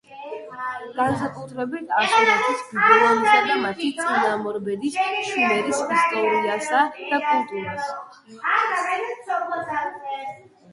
განსაკუთრებით, ასურეთის, ბაბილონისა და მათი წინამორბედის, შუმერის, ისტორიასა და კულტურას.